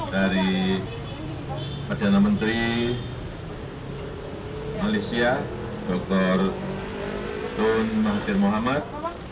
dari perdana menteri malaysia dr tun mahathir muhammad